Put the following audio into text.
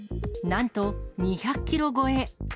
なんと、２００キロ超え。